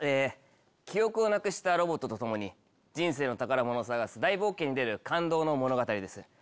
記憶をなくしたロボットと共に人生の宝物を探す大冒険に出る感動の物語です。